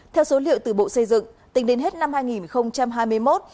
theo số liệu từ bộ xây dựng tính đến hết năm hai nghìn hai mươi một